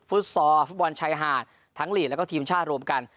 ฟอร์ฟุตบอลชายหาดทั้งลีกแล้วก็ทีมชาติรวมกัน